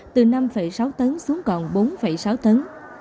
từ năm sáu tấn xuống còn bốn sáu tấn